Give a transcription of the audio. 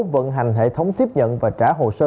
vận hành hệ thống tiếp nhận và trả hồ sơ